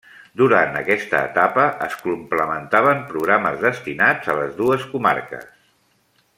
Durant aquesta etapa, es complementaven programes destinats a les dues comarques.